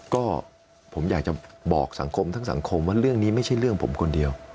ก็ผมอยากจะบอกสังคมทั้งสังคมว่าเรื่องนี้ไม่ใช่เรื่องผมคนเดียว